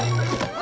あ。